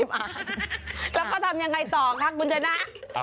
แล้วทำยังไงต่อขอบคุณเจรณา